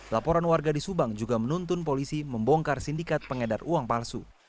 laporan warga di subang juga menuntun polisi membongkar sindikat pengedar uang palsu